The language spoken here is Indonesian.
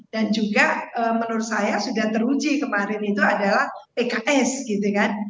dan juga menurut saya sudah teruji kemarin itu adalah pks gitu kan